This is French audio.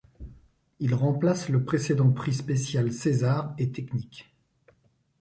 Il remplace le précédent prix spécial César & Techniques.